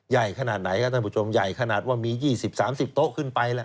ใหญ่ขนาดไหนครับท่านผู้ชมใหญ่ขนาดว่ามี๒๐๓๐โต๊ะขึ้นไป